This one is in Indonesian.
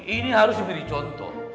ini harus diberi contoh